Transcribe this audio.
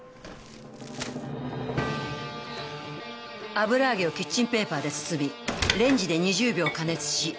油揚げをキッチンペーパーで包みレンジで２０秒加熱し油抜きする。